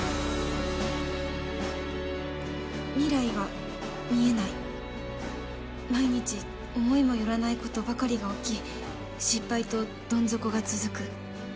「未来が見えない」「毎日思いも寄らない事ばかりが起き失敗とどん底が続く」